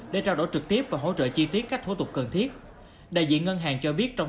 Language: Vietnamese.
để trao đổi trực tiếp và hỗ trợ chi tiết các thủ tục cần thiết đại diện ngân hàng cho biết trong